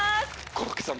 コロッケさん